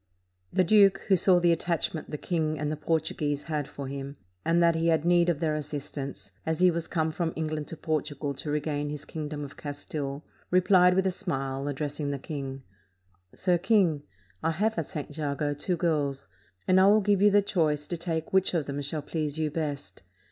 The duke, who saw the attachment the king and the Portuguese had for him, and that he had need of their assistance, as he was come from England to Portugal to regain his king dom of Castile, replied with a smile, addressing the king : "Sir King, I have at St. Jago two girls, and I will give you the choice to take which of them shall please you best.